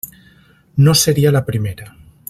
No seria la primera.